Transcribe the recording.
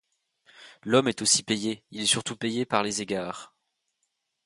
L’homme est aussi payé, il est surtout payé, par les égards.